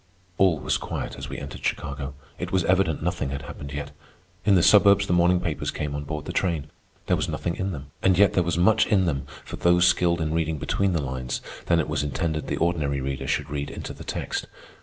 All was quiet as we entered Chicago. It was evident nothing had happened yet. In the suburbs the morning papers came on board the train. There was nothing in them, and yet there was much in them for those skilled in reading between the lines that it was intended the ordinary reader should read into the text.